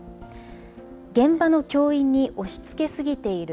現場の教員に押しつけすぎている。